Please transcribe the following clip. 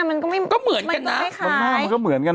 มันก็ไม่เหมือนกันนะ